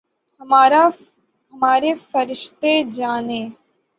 ہمارے فرشتے جانیں۔